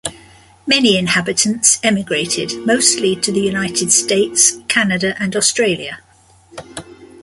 Many inhabitants emigrated, mostly to the United States, Canada and Australia.